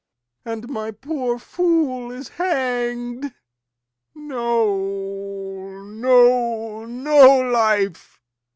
And my poor fool is hang'd! No, no, no life!